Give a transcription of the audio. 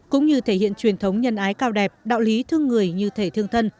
cũng như thể hiện truyền thống nhân ái cao đẹp đạo lý thương người như thể thương thân